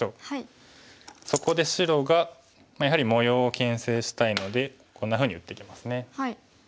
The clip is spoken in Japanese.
そこで白がやはり模様をけん制したいのでこんなふうに打ってきますね。